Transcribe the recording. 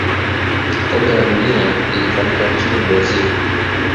kombe la dunia lilifanyika nchini brazil